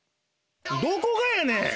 どこがやねん！